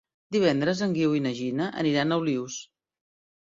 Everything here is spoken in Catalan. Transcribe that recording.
Divendres en Guiu i na Gina aniran a Olius.